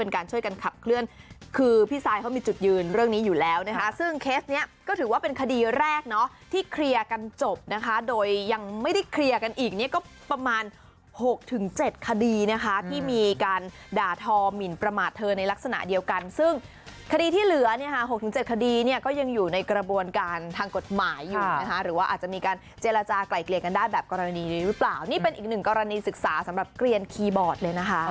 กันจบนะคะโดยยังไม่ได้เคลียร์กันอีกเนี่ยก็ประมาณ๖๗คดีนะคะที่มีการด่าทอหมินประมาทเธอในลักษณะเดียวกันซึ่งคดีที่เหลือเนี่ยค่ะ๖๗คดีเนี่ยก็ยังอยู่ในกระบวนการทางกฎหมายอยู่นะคะหรือว่าอาจจะมีการเจรจากลายเกลียรกันได้แบบกรณีนี้หรือเปล่านี่เป็นอีกหนึ่งกรณีศึกษาสำหรับเกล